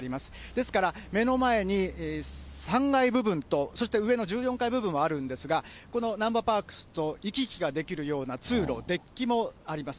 ですから、目の前に３階部分と、そして上の１４階部分があるんですが、このなんばパークスと行き来ができるような通路、デッキもあります。